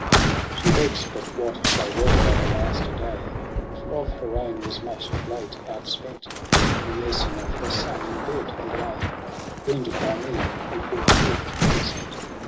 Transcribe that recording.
ID ' She begs hut 'what shall "well o'er last a day ; For of her own was much of late outspent Jn nursing of her son, in bed who lay Wounded by me, 'who for the gift am sent.